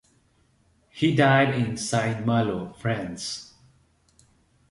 He died in Saint Malo, France.